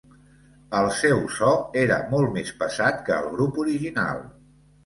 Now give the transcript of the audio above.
El seu so era molt més pesat que el grup original.